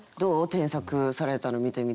添削されたの見てみて。